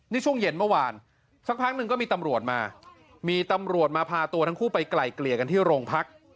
นี่ช่วงเย็นเมื่อวานสักพักหนึ่งก็มีตำรวจมามีตำรวจมาพาตัวทั้งคู่ไปไกลเกลี่ยกันที่โรงพัก